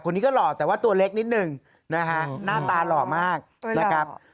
คนนี้ก็หล่อแต่ว่าตัวเล็กนิดหนึ่งนะฮะหน้าตาหล่อมากนะครับ